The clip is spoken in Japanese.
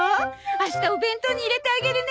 明日お弁当に入れてあげるね。